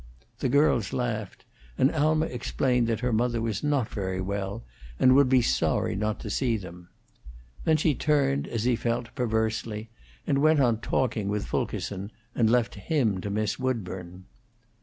The girls laughed, and Alma explained that her mother was not very well, and would be sorry not to see him. Then she turned, as he felt, perversely, and went on talking with Fulkerson and left him to Miss Woodburn.